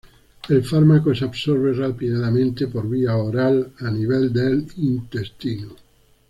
El fármaco se absorbe rápidamente por vía oral a nivel del intestino.